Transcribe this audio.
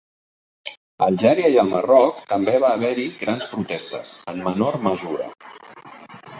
A Algèria i el Marroc també va haver-hi grans protestes, en menor mesura.